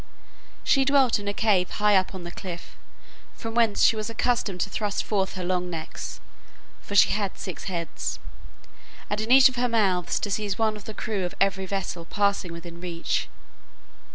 She dwelt in a cave high up on the cliff, from whence she was accustomed to thrust forth her long necks (for she had six heads), and in each of her mouths to seize one of the crew of every vessel passing within reach.